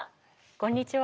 こんにちは。